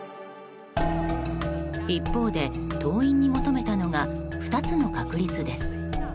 一方で、党員に求めたのが２つの確立です。